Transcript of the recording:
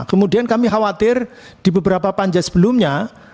kemudian kami khawatir di beberapa panja sebelumnya